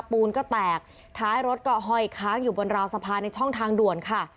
ปูนก็แตกท้ายรถก็ห้อยค้างอยู่บนราวสะพานในช่องทางด่วนค่ะ